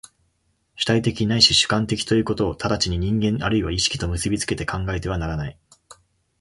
主体的ないし主観的ということを直ちに人間或いは意識と結び付けて考えてはならない。